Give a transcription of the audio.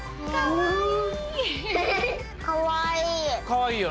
かわいい。